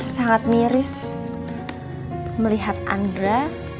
sangat miris melihat andra